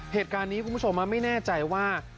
เหตุการณ์นี้คุณผู้ชมไม่แน่ใจว่า